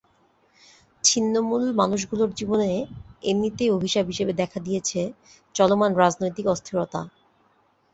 ছিন্নমূল মানুষগুলোর জীবনে এমনিতেই অভিশাপ হিসেবে দেখা দিয়েছে চলমান রাজনৈতিক অস্থিরতা।